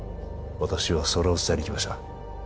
私はそれを伝えに来ました